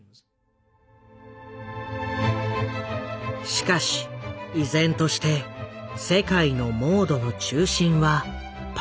しかし依然として世界のモードの中心はパリだった。